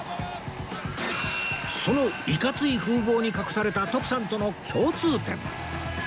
そのいかつい風貌に隠された徳さんとの共通点